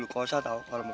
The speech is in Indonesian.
mungkin suatu mirip pertama